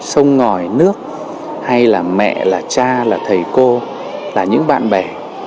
sông ngòi nước hay là mẹ là cha là thầy cô là những bạn bè